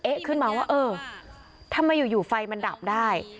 เอ๊ะขึ้นมาว่าเออทำไมอยู่ไฟมันดับได้